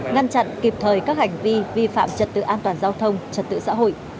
ngăn chặn kịp thời các hành vi vi phạm trật tự an toàn giao thông trật tự xã hội